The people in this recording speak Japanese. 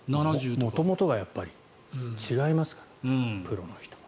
元々がやっぱり違いますからプロの人は。